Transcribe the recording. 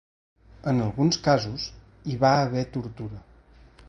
En alguns casos hi va haver tortura.